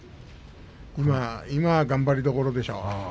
今、頑張りどころでしょう。